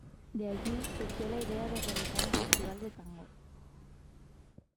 De allí surgió la idea de realizar un festival de tango.